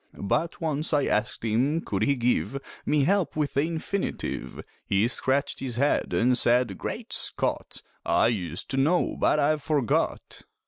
But once I asked him could he give Me help with the infinitive He scratched his head and said: "Great Scott! I used to know, but I've forgot."